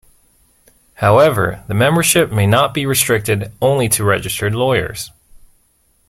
However, the membership may not be restricted only to registered lawyers.